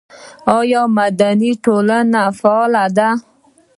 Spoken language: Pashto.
آیا مدني ټولنه فعاله ده؟